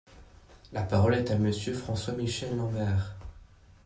La parole est à Monsieur François-Michel Lambert.